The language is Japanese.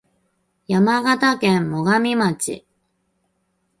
山形県最上町